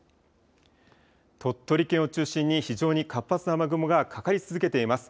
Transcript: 鳥取県を中心に非常に活発な雨雲がかかり続けています。